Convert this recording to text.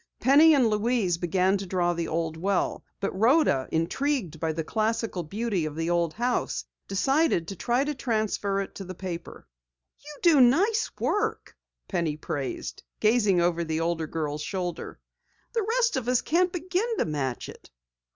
Penny and Louise began to draw the old well, but Rhoda, intrigued by the classical beauty of the house, decided to try to transfer it to paper. "You do nice work," Penny praised, gazing over the older girl's shoulder. "The rest of us can't begin to match it."